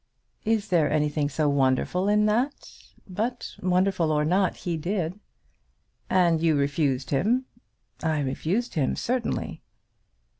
"Is there anything so wonderful in that? But, wonderful or not, he did." "And you refused him?" "I refused him certainly."